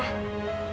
dan kamu mendukung aku